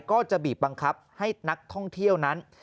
ก็จะบีบบังคับให้นักท่องเที่ยวนั้น